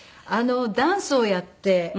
ダンスをやって。